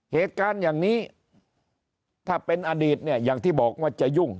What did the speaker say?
เหตุการณ์อย่างนี้ถ้าเป็นอดีตเนี่ยอย่างที่บอกว่าจะยุ่ง